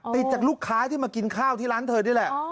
ติดจากลูกค้าที่มากินข้าวที่ร้านเธอนี่แหละ